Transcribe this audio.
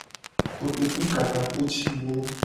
Kotoku ka takpo ci wo.